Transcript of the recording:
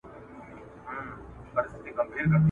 ستا پر لوري د اسمان سترګي ړندې دي `